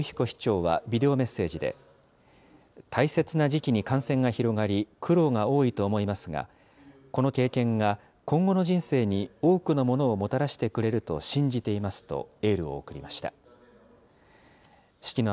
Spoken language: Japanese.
市長はビデオメッセージで、大切な時期に感染が広がり、苦労が多いと思いますが、この経験が今後の人生に多くのものをもたらしてくれると信じていますと、エールを送りました。